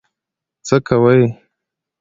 څه کوي.